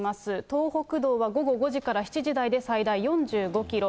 東北道は午後５時から７時台で最大４５キロ。